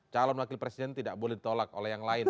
calon wakil presiden tidak boleh ditolak oleh yang lain